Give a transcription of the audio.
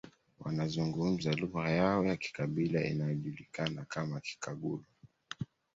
Wanazungumza lugha yao ya kikabila inayojulikana kama Kikagulu